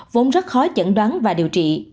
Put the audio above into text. vốn rất khó chẩn đoán và điều trị